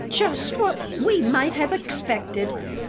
"Just what we might have expected!